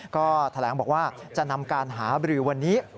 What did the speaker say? ก็แถลงบอกว่าจะนำการหาบรือวันนี้